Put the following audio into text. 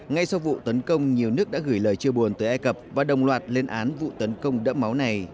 ngay sau vụ tấn công nhiều nước đã gửi lời chia buồn tới ai cập và đồng loạt lên án vụ tấn công đẫm máu này